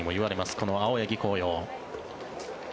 この青柳晃洋。